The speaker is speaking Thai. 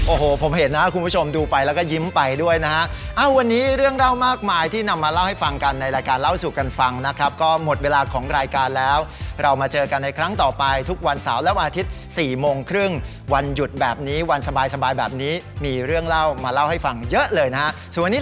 โอ้โหผมเห็นนะครับคุณผู้ชมดูไปแล้วก็ยิ้มไปด้วยนะฮะวันนี้เรื่องเล่ามากมายที่นำมาเล่าให้ฟังกันในรายการเล่าสู่กันฟังนะครับก็หมดเวลาของรายการแล้วเรามาเจอกันในครั้งต่อไปทุกวันเสาร์และวันอาทิตย์๔โมงครึ่งวันหยุดแบบนี้วันสบายแบบนี้มีเรื่องเล่ามาเล่าให้ฟังเยอะเลยนะฮะ